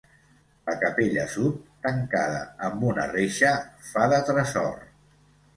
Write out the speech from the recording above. La capella sud, tancada amb una reixa, fa de tresor.